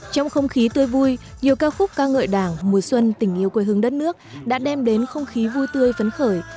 trong không khí tươi vui nhiều ca khúc ca ngợi đảng mùa xuân tình yêu quê hương đất nước đã đem đến không khí vui tươi phấn khởi